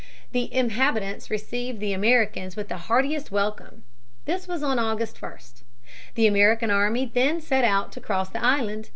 The inhabitants received the Americans with the heartiest welcome. This was on August 1. The American army then set out to cross the island.